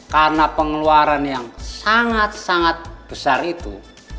karena pengeluaran yang sangat sangat besar itu